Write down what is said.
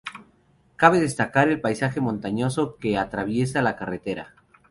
Cabe destacar el paisaje montañoso que atraviesa la carretera.